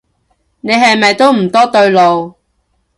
你係咪都唔多對路